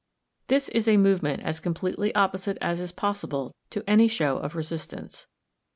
This is a movement as completely opposite as is possible to any show of resistance.